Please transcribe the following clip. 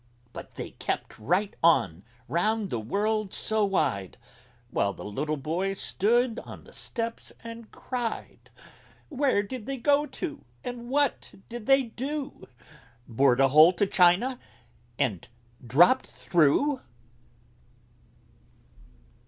But they kept right on round the world so wide, While the Little Boy stood on the steps and cried. Where did they go to, and what did they do? Bored a hole to China and dropped through!